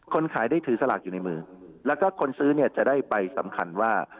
คนขายได้ถือสลากอยู่ในมือแล้วก็คนซื้อเนี่ยจะได้ไปสำคัญว่า